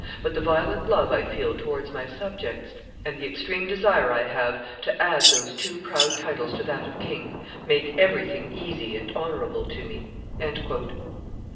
But the violent love I feel towards my subjects, and the extreme desire I have to add those two proud titles to that of king, make everything easy and honorable to me."